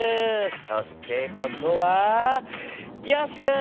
そしてここはよしくん。